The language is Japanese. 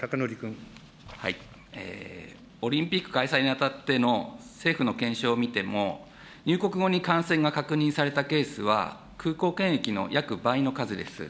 オリンピック開催に当たっての政府の検証を見ても、入国後に感染が確認されたケースは、空港検疫の約倍の数です。